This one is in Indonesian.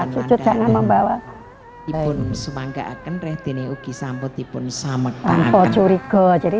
juga jangan membawa ipun semangka akan reti neuki samput ipun sama tanpa curiga jadi